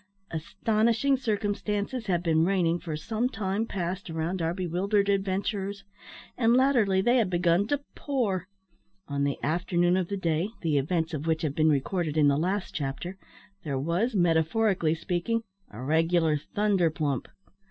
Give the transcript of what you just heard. Astonishing circumstances had been raining for some time past around our bewildered adventurers, and, latterly, they had begun to pour. On the afternoon of the day, the events of which have been recorded in the last chapter, there was, metaphorically speaking, a regular thunder plump.